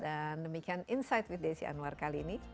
demikian insight with desi anwar kali ini